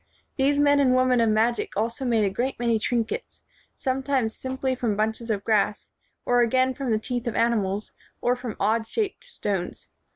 These men and women of magic also made a great many trinkets, sometimes simply from bunches of grass, or again from the teeth of animals, or from odd shaped stones.